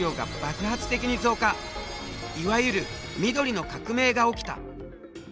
いわゆる「緑の革命」が起きた。